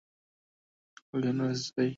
ঐখানে মেসেজ দেই?